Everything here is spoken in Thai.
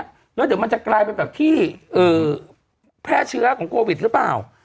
แล้วเดี๋ยวมันจะกลายเป็นแบบที่แพร่เชื้อของโควิดหรือเปล่า